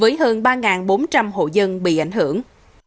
với hơn ba bốn trăm linh hộ dân bị ảnh hưởng